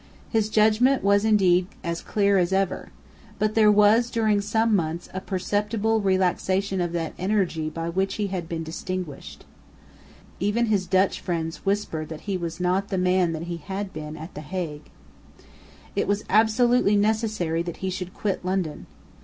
His judgment was indeed as clear as ever. But there was, during some months, a perceptible relaxation of that energy by which he had been distinguished. Even his Dutch friends whispered that he was not the man that he had been at the Hague. It was absolutely necessary that he should quit London.